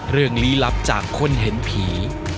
เรื่องลี้ลับจากคนเห็นผี